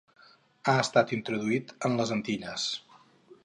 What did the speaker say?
Ha estat introduït en les Antilles.